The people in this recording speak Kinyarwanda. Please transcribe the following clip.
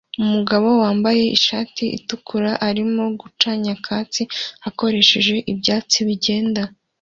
Umugabo wambaye ishati itukura arimo guca nyakatsi akoresheje ibyatsi bigenda